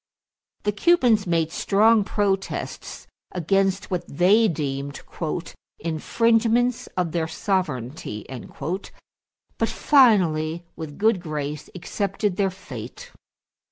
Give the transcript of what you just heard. The Cubans made strong protests against what they deemed "infringements of their sovereignty"; but finally with good grace accepted their fate.